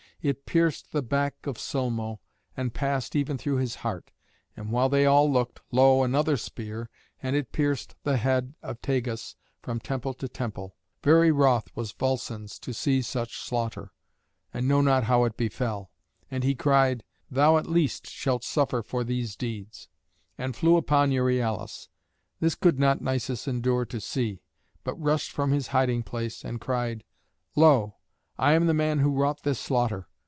It pierced the back of Sulmo, and passed even through his heart. And while they all looked, lo! another spear, and it pierced the head of Tagus from temple to temple. Very wroth was Volscens to see such slaughter, and know not how it befell; and he cried, "Thou at least shalt suffer for these deeds," and flew upon Euryalus. This could not Nisus endure to see, but rushed from his hiding place, and cried, "Lo! I am the man who wrought this slaughter.